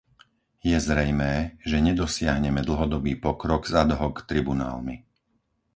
Je zrejmé, že nedosiahneme dlhodobý pokrok s ad hoc tribunálmi.